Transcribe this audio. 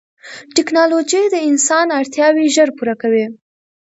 ټکنالوجي د انسان اړتیاوې ژر پوره کوي.